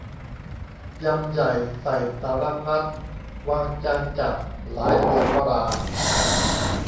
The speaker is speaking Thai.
ยำใหญ่ใส่สารพัด วางจานจัดหลายเหลือตรา